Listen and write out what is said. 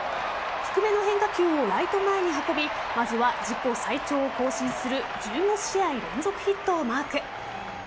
低めの変化球をライト前に運びまずは、自己最長を更新する１５試合連続ヒットをマーク。